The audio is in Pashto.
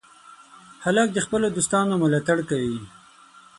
هلک د خپلو دوستانو ملاتړ کوي.